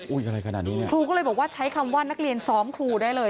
อะไรขนาดนี้เนี่ยครูก็เลยบอกว่าใช้คำว่านักเรียนซ้อมครูได้เลย